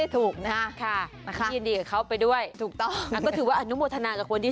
ตามที่ได้ขออธิษฐานเอาไว้